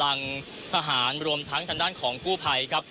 คุณทัศนาควดทองเลยค่ะ